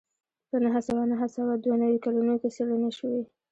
په نهه سوه نهه سوه دوه نوي کلونو کې څېړنې شوې